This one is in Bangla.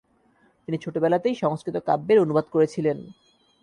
তিনি ছোটবেলাতেই সংস্কৃত কাব্যের অনুবাদ করেছিলেন।